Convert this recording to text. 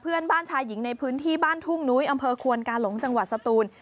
ชายหญิงในพื้นที่บ้านทุ่งนุ้ยอำเภอควนกาหลงจังหวัดสตูน